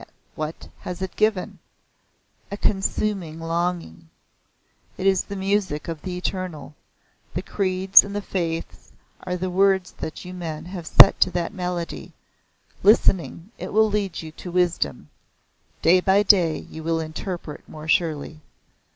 "What has it given?" "A consuming longing." "It is the music of the Eternal. The creeds and the faiths are the words that men have set to that melody. Listening, it will lead you to Wisdom. Day by day you will interpret more surely."